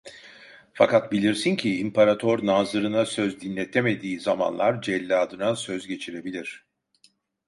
Fakat bilirsin ki imparator nazırına söz dinletemediği zamanlar celladına söz geçirebilir…